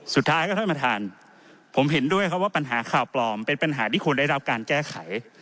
สุดท้ายครับท่านประธานผมเห็นด้วยครับว่าปัญหาข่าวปลอมเป็นปัญหาที่ควรได้รับการแก้ไข